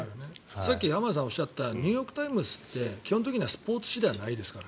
さっき浜田さんがおっしゃったニューヨーク・タイムズって基本的にはスポーツ紙ではないですから。